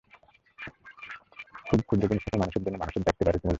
খুব ক্ষুদ্র জিনিস থেকেও মানুষের জন্য মানুষের জাগতে পারে তুমুল ভালোবাসা।